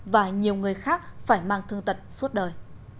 và nhiều người khác phải mang thương tật suốt đời